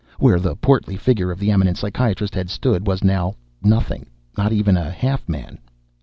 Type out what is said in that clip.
Where the portly figure of the eminent psychiatrist had stood was now nothing, not even a half man.